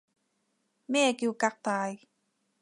咩叫革大